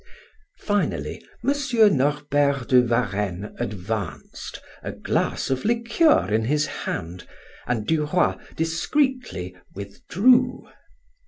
Finally M. Norbert de Varenne advanced, a glass of liqueur in his hand, and Duroy discreetly withdrew.